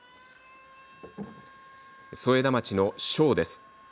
添田町の庄です。